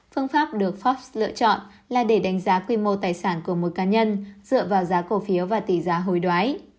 phương pháp được forbes lựa chọn là để đánh giá quy mô tài sản của mỗi cá nhân dựa vào giá cổ phiếu và tỷ giá hồi đoái